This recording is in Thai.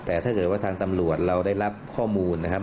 แต่ถ้าเกิดว่าทางตำรวจเราได้รับข้อมูลนะครับ